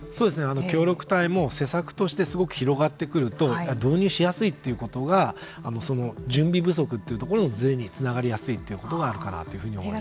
協力隊も施策としてすごく広がってくると導入しやすいということが準備不足というところのズレにつながりやすいというところがあるかなと思います。